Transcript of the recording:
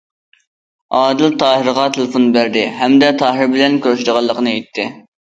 ئادىل تاھىرغا تېلېفون بەردى ھەمدە تاھىر بىلەن كۆرۈشىدىغانلىقىنى ئېيتتى.